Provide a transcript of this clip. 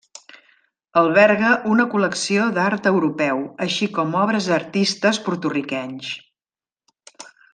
Alberga una col·lecció d'art europeu, així com obres d'artistes Porto-riquenys.